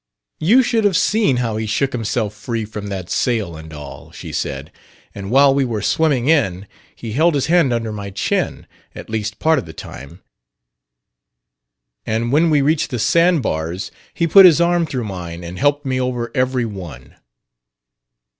"You should have seen how he shook himself free from that sail, and all," she said. "And while we were swimming in he held his hand under my chin at least part of the time. And when we reached the sandbars he put his arm through mine and helped me over every one."